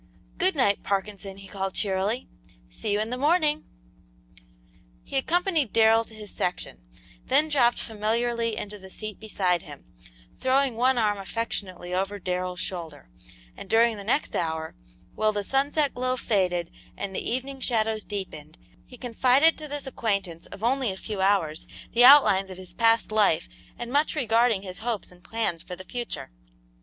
"Good night, Parkinson," he called, cheerily; "see you in the morning!" He accompanied Darrell to his section; then dropped familiarly into the seat beside him, throwing one arm affectionately over Darrell's shoulder, and during the next hour, while the sunset glow faded and the evening shadows deepened, he confided to this acquaintance of only a few hours the outlines of his past life and much regarding his hopes and plans for the future.